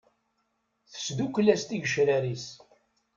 Tesdukel-as tigecrar-is.